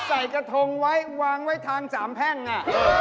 ใส่กระทงไว้วางไว้ทางสามแพ่งอ่ะ